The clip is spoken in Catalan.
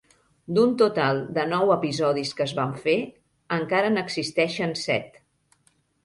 D'un total de nou episodis que es van fer, encara n'existeixen set.